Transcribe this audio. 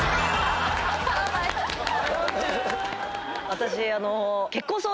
私。